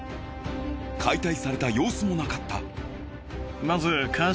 解体された様子もなかった。